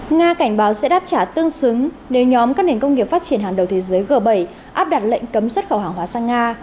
nga cảnh báo sẽ đáp trả tương xứng nếu nhóm các nền công nghiệp phát triển hàng đầu thế giới g bảy áp đặt lệnh cấm xuất khẩu hàng hóa sang nga